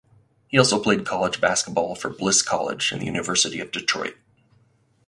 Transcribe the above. He also played college basketball for Bliss College and the University of Detroit.